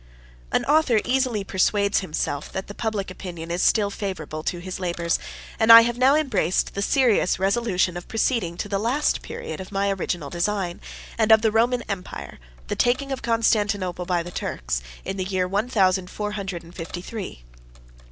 An Author easily persuades himself that the public opinion is still favorable to his labors; and I have now embraced the serious resolution of proceeding to the last period of my original design, and of the Roman Empire, the taking of Constantinople by the Turks, in the year one thousand four hundred and fifty three.